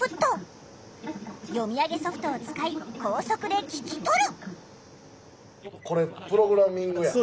読み上げソフトを使い高速で聞き取る。